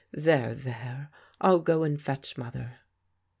There, there, I'll go and fetch Mother."